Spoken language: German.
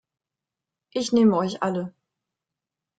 Ich nehme euch alle.